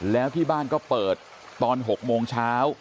แล้วที่บ้านก็เปิดตอน๖โมงเช้า